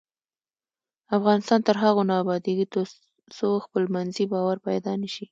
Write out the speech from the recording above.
افغانستان تر هغو نه ابادیږي، ترڅو خپلمنځي باور پیدا نشي.